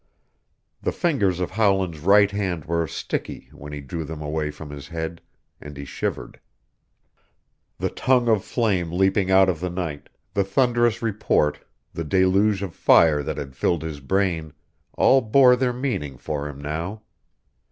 The fingers of Howland's right hand were sticky when he drew them away from his head, and he shivered. The tongue of flame leaping out of the night, the thunderous report, the deluge of fire that had filled his brain, all bore their meaning for him now.